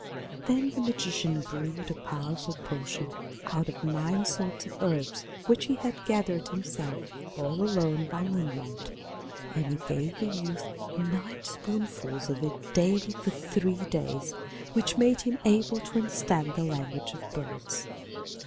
Then the magician brewed a powerful potion out of nine sorts of herbs which he had gathered himself all alone by moonlight, and he gave the youth nine spoonfuls of it daily for three days, which made him able to understand the language of birds.